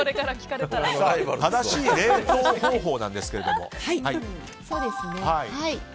正しい冷凍方法なんですけども。